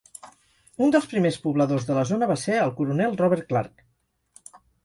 Un dels primers pobladors de la zona va ser el coronel Robert Clark.